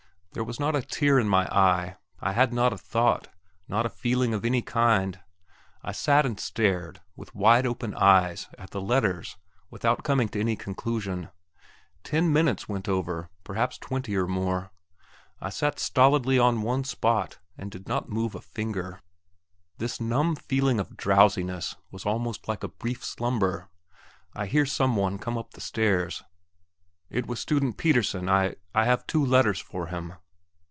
There was not a tear in my eyes; I had not a thought, not a feeling of any kind. I sat and stared, with wide open eyes, at the letters, without coming to any conclusion. Ten minutes went over perhaps twenty or more. I sat stolidly on the one spot, and did not move a finger. This numb feeling of drowsiness was almost like a brief slumber. I hear some one come up the stairs. "It was Student Pettersen, I ... I have two letters for him."